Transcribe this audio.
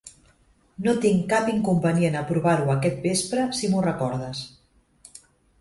No tinc cap inconvenient a provar-ho aquest vespre si m'ho recordes.